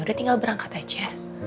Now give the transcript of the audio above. udah tinggal berangkat aja